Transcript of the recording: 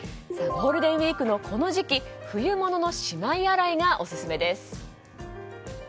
ゴールデンウィークのこの時期冬物のしまい洗いがオススメです。